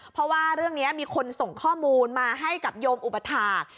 เพราะว่าเรื่องนี้มีคนส่งข้อมูลมาให้กับโยมอุปถาค